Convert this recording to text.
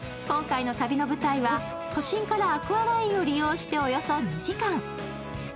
今回の旅の舞台は、都心からアクアラインを利用しておよそ２時間。